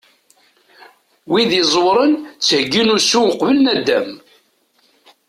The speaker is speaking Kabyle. Wid iẓewren ttheggin usu uqbel naddam.